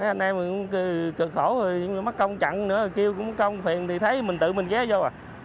anh em cũng cực khổ rồi mắc công chặn nữa kêu cũng công phiền thì thấy mình tự mình ghé vô